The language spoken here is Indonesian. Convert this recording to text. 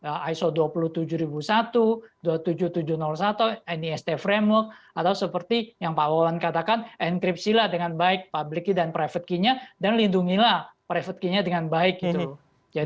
nah itu juga seperti yang dikatakan di iso dua puluh tujuh ribu satu dua puluh tujuh ribu tujuh ratus satu nist framework atau seperti yang pak wawan katakan enkripsilah dengan baik public key dan private key nya dan lindungilah private key nya dengan baik gitu